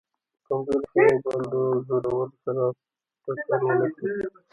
کمزوري خلک باید له زورورو سره ټکر ونه کړي.